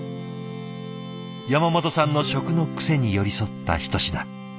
山本さんの食の癖に寄り添った一品。